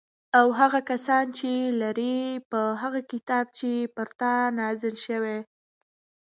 او هغه کسان چې لري په هغه کتاب چې پر تا نازل شوی